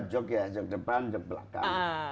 jog ya jog depan jog belakang